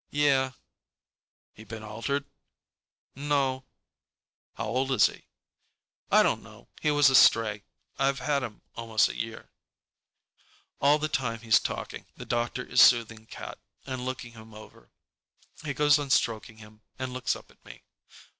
"Yeah." "He been altered?" "No." "How old is he?" "I don't know. He was a stray. I've had him almost a year." All the time he's talking, the doctor is soothing Cat and looking him over. He goes on stroking him and looks up at me.